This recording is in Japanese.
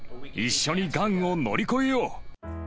一緒にがんを乗り越えよう。